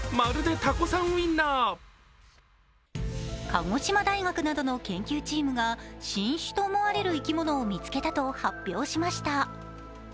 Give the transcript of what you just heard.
鹿児島大学などの研究チームが新種と思われる生き物を発見したと発表しました